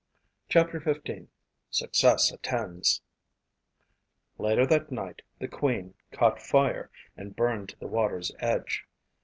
CHAPTER XV Success Attends Later that night the Queen caught fire and burned to the water's edge.